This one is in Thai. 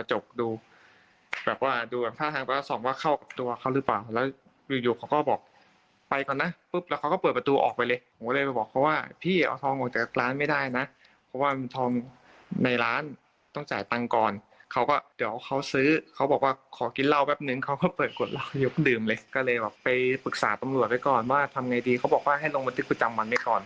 หาตำรวจไปก่อนว่าทำอย่างไรดีเขาบอกว่าให้ลงบัตริกกุจังมันไปก่อน